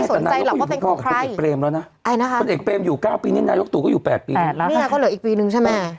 พลเอกเปรมตินสุรานนท์อยู่๙ปีนี้นายกตัวก็อยู่๘ปีนึง